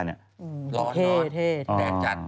ร้อนแดดจัดอ๋ออืมเท่